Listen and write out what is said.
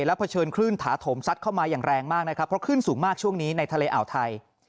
แล้วเผชิญคลื่นถาโถมซัดเข้ามาอย่างแรงมากนะครับเพราะคลื่นสูงมากช่วงนี้ในทะเลอ่าวไทย